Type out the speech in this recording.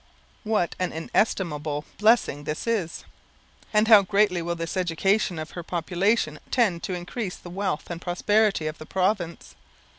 What an inestimable blessing is this, and how greatly will this education of her population tend to increase the wealth and prosperity of the province!